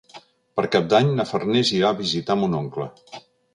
Per Cap d'Any na Farners irà a visitar mon oncle.